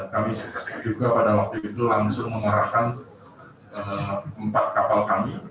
kami juga pada waktu itu langsung mengarahkan empat kapal kami